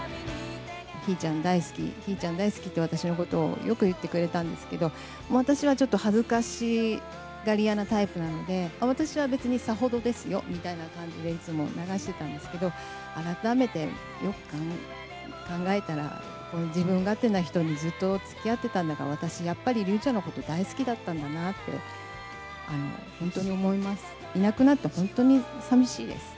ヒーチャン大好き、ヒーチャン大好きって、私のことをよく言ってくれたんですけど、私はちょっと恥ずかしがり屋なタイプなんで、私は別にさほどですよみたいな感じでいつも流してたんですけど、改めてよく考えたら、この自分勝手な人にずっとつきあってたんだから、私、やっぱり竜ちゃんのこと大好きだったんだなって、本当に思います。